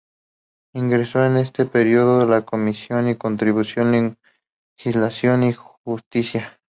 Integró en este período la comisión de Constitución, Legislación y Justicia.